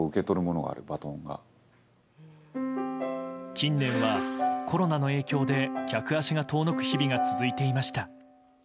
近年はコロナの影響で客足が遠のく日々が続いていました。